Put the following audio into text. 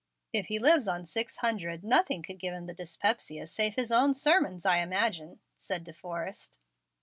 "If he lives on six hundred, nothing could give him the dyspepsia save his own sermons, I imagine," said De Forrest.